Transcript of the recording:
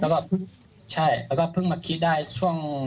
แล้วก็เพิ่งมาคิดได้ช่วง